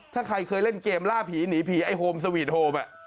ถ้าใครเคยเล่นเกมล่าผีหนีผีไอ้โฮมสวีทโฮม